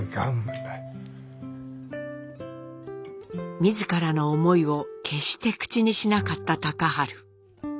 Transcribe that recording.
自らの思いを決して口にしなかった隆治。